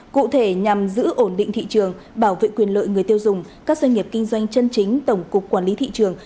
cụ thể nhằm giữ ổn định thị trường bảo vệ quyền lợi người tiêu dùng các doanh nghiệp kinh doanh chân chính tổng cục quản lý thị trường